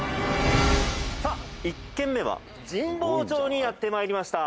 １軒目は神保町にやってまいりました。